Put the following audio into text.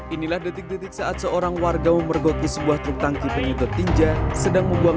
inilah detik detik saat seorang warga memergoki sebuah truk tangki penyedot tinja sedang membuang